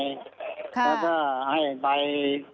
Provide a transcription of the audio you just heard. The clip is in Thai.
แล้วก็ให้ใบ